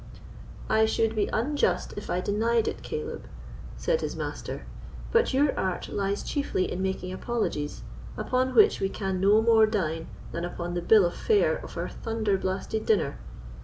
"I should be unjust if I denied it, Caleb," said his master; "but your art lies chiefly in making apologies, upon which we can no more dine than upon the bill of fare of our thunder blasted dinner.